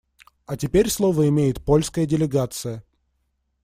А теперь слово имеет польская делегация.